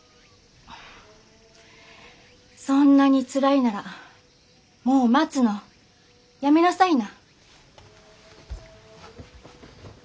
そんなにつらいならもう待つのやめなさいな。